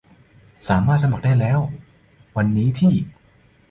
สามารถสมัครได้แล้ววันนี้ที่